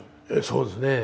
そうですね。